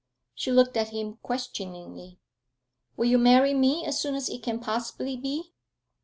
She looked at him questioningly. 'Will you marry me as soon as it can possibly be?